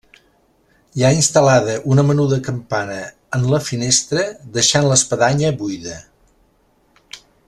Hi ha instal·lada una menuda campana en la finestra, deixant l'espadanya buida.